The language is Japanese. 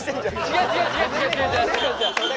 違う違う違う！